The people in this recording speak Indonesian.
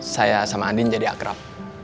saya sama andin jadi akrab